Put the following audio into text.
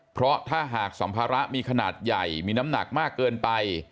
เพราะถ้าหากสัมภาระมีขนาดใหญ่มีน้ำหนักมากเกินไป